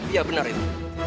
iya benar itu